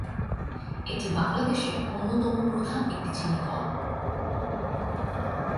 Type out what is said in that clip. এটি বাংলাদেশের অন্যতম প্রধান একটি চিনি কল।